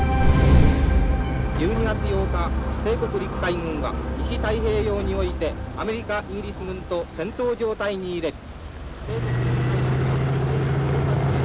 「１２月８日帝国陸海軍は西太平洋においてアメリカイギリス軍と戦闘状態に入れり」。